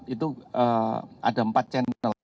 itu ada empat channel